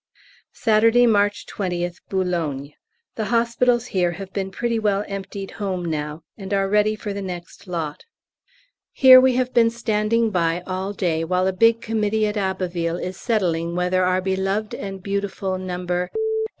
Saturday, March 20th, Boulogne. The hospitals here have been pretty well emptied home now, and are ready for the next lot. Here we have been standing by all day while a big Committee at Abbeville is settling whether our beloved and beautiful No. A.